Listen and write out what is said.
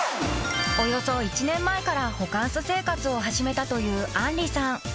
［およそ１年前からホカンス生活を始めたという杏里さん］